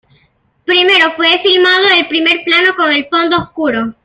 Primero, fue filmado el primer plano con el fondo oscuro.